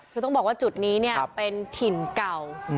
คือต้องบอกว่าจุดนี้เป็นถิ่นเก่า